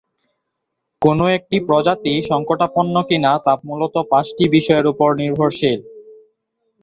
কোন একটি প্রজাতি সংকটাপন্ন কিনা তা মূলত পাঁচটি বিষয়ের উপর নির্ভরশীল।